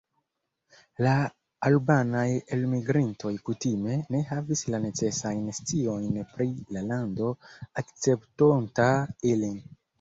La albanaj elmigrintoj kutime ne havis la necesajn sciojn pri la lando akceptonta ilin.